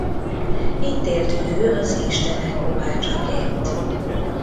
Itt élt ő az istenek kovácsaként.